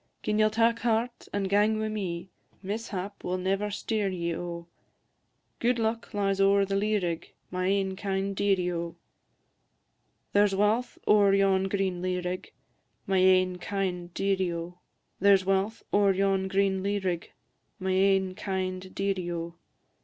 Gin ye'll tak heart, and gang wi' me, Mishap will never steer ye, O; Gude luck lies ower the lea rig, My ain kind dearie, O! There 's walth ower yon green lea rig, My ain kind dearie, O! There 's walth ower yon green lea rig, My ain kind dearie, O!